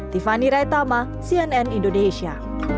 tiffany raythama cnn indonesia